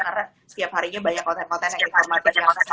karena setiap harinya banyak konten konten yang informatif yang saya perlihatkan